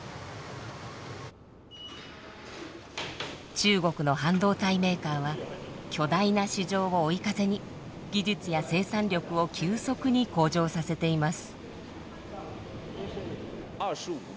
中国の半導体メーカーは巨大な市場を追い風に技術や生産力を急速に向上させています。